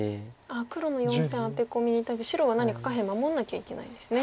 黒の４線アテコミに対して白は何か下辺守らなきゃいけないんですね。